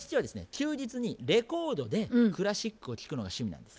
休日にレコードでクラシックを聴くのが趣味なんです。